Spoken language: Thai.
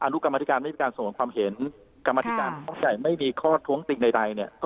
ลูกกรรมธิการไม่มีการสนองความเห็นกรรมธิการเข้าใจไม่มีข้อท้วงติงใดเนี่ย